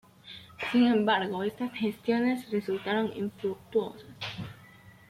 Sin embargo, estas gestiones resultaron infructuosas.